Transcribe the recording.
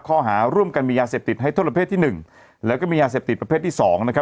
ข้อหาร่วมกันมียาเสพติดให้โทษประเภทที่หนึ่งแล้วก็มียาเสพติดประเภทที่สองนะครับ